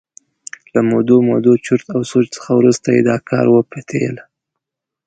له مودو مودو چرت او سوچ څخه وروسته یې دا کار وپتېله.